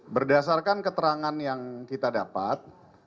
berdasarkan keterangan yang kita dapat